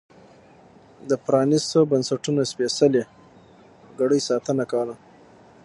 د پرانیستو بنسټونو سپېڅلې کړۍ ساتنه کوله.